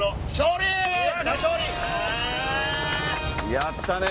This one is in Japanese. やったね！